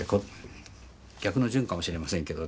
逆の順かもしれませんけどね。